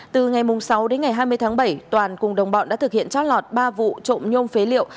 từ ngày sáu đến ngày hai mươi tháng bảy toàn cùng đồng bọn đã thực hiện chót lọt ba vụ trộm nhôm phế liệu